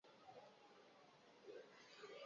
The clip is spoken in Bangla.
হেই, ব্র্যাড।